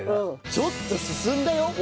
ちょっと進んだよ。